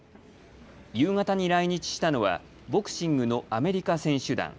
夕方に来日したのはボクシングのアメリカ選手団。